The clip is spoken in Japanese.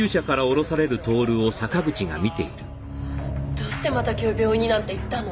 どうしてまた今日病院になんて行ったの？